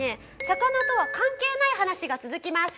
魚とは関係ない話が続きます。